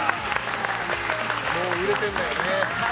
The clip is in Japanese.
もうすごい売れてるんだよね。